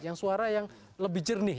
yang suara yang lebih jernih